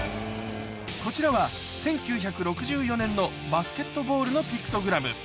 こちらは１９６４年のバスケットボールのピクトグラム